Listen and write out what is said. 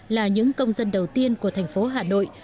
là những công dân đầu tiên của thành phố hà nội